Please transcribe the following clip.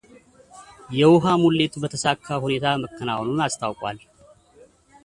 የውሃ ሙሌቱ በተሳካ ሁኔታ መከናወኑን አስታውቋል።